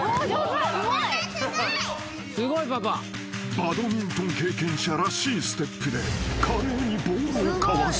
［バドミントン経験者らしいステップで華麗にボールをかわす］